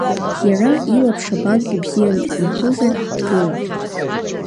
Иара, илаԥш абанк ибзиан иахызартә, дгылан.